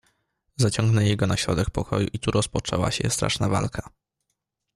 "Zaciągnęli go na środek pokoju i tu rozpoczęła się straszna walka."